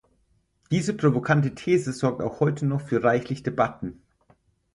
Diese provokante These sorgt auch heute noch für reichlich Debatten.